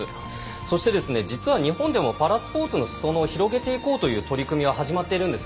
そして日本でもパラスポーツの裾野を広げていこうという取り組みが始まっているんです。